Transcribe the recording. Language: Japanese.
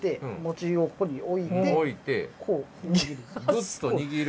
ぐっと握る。